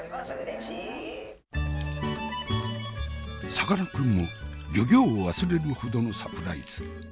さかなクンもギョギョを忘れるほどのサプライズ。